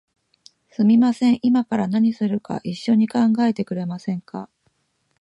すみません、いまから何するか一緒に考えてくれませんか？